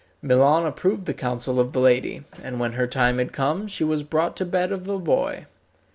Milon approved the counsel of the lady, and when her time had come she was brought to bed of a boy.